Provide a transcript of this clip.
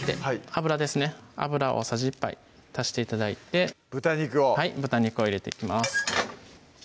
油大さじ１杯足して頂いて豚肉をはい豚肉を入れていきます